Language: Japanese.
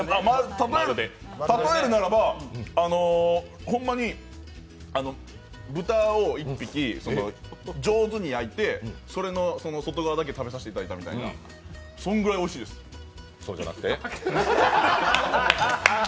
例えるならば、ほんまに豚を１匹上手に焼いて、それの外側だけ食べさせていただいたみたいな、それぐらいおいしいですそうじゃなくて？